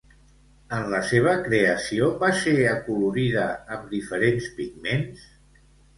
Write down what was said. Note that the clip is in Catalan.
En la seva creació, va ser acolorida amb diferents pigments?